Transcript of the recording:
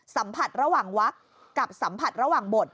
สัมผัสระหว่างวักกับสัมผัสระหว่างบท